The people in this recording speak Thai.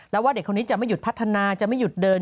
แล้วว่าเด็กคนนี้จะไม่หยุดพัฒนาจะไม่หยุดเดิน